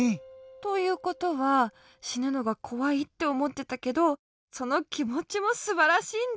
ということはしぬのがこわいっておもってたけどそのきもちもすばらしいんだ。